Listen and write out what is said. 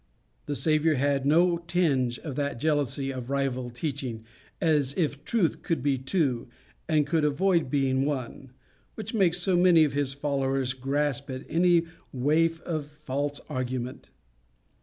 The Saviour had no tinge of that jealousy of rival teaching as if truth could be two, and could avoid being one which makes so many of his followers grasp at any waif of false argument.